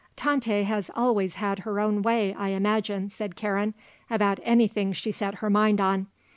"Tante has always had her own way, I imagine," said Karen, "about anything she set her mind on.